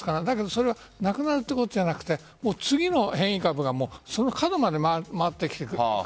だけどそれがなくなるということでなく次の変異株が角まで回ってきている。